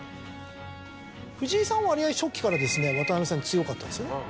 藤井さんは割合初期から渡辺さんに強かったですよね。